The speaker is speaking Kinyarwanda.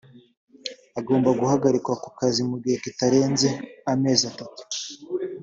agomba guhagarikwa ku kazi mu gihe kitarenze amezi atatu